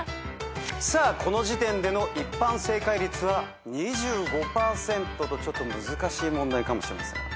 さあこの時点での一般正解率は２５％とちょっと難しい問題かもしれません。